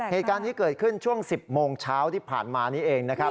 เหตุการณ์นี้เกิดขึ้นช่วง๑๐โมงเช้าที่ผ่านมานี้เองนะครับ